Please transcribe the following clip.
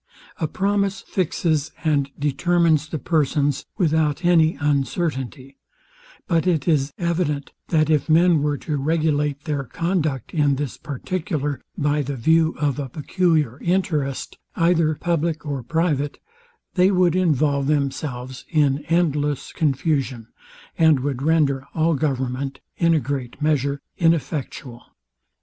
A promise fixes and determines the persons, without any uncertainty: But it is evident, that if men were to regulate their conduct in this particular, by the view of a peculiar interest, either public or private, they would involve themselves in endless confusion, and would render all government, in a great measure, ineffectual.